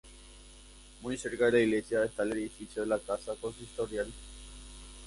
Muy cerca de la iglesia está el edificio de la Casa Consistorial.